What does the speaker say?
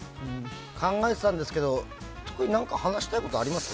考えてたんですけど特に何か話したいことあります？